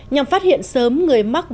nhằm phát hiện sớm người mắc bệnh